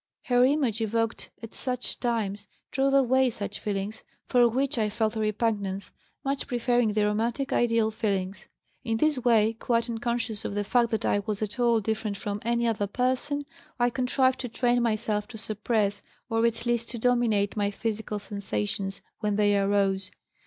Her image evoked at such times drove away such feelings, for which I felt a repugnance, much preferring the romantic ideal feelings. In this way, quite unconscious of the fact that I was at all different from, any other person, I contrived to train myself to suppress or at least to dominate my physical sensations when they arose.